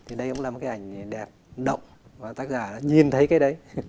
thì đây cũng là một cái ảnh đẹp động và tác giả đã nhìn thấy cái đấy